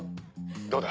どうだ？